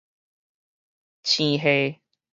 星系